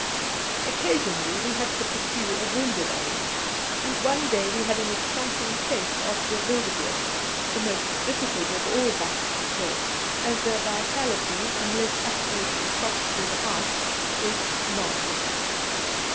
Occasionally we had to pursue a wounded animal, and one day we had an exciting chase after a wildebeeste, the most difficult of all bucks to kill, as their vitality, unless absolutely shot through the heart, is marvellous.